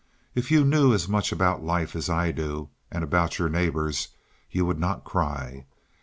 If you knew as much about life as I do, and about your neighbors, you would not cry.